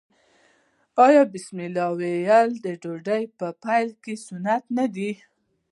آیا بسم الله ویل د ډوډۍ په پیل کې سنت نه دي؟